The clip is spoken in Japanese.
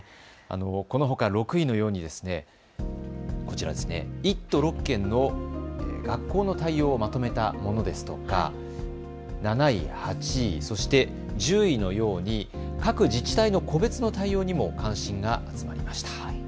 このほか６位のようにこちら、１都６県の学校の対応をまとめたものですとか、７位、８位、そして１０位のように各自治体の個別の対応にも関心が集まりました。